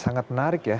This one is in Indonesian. sangat menarik ya